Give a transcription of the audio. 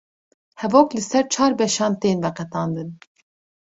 hevok li ser çar beşan tên veqetandin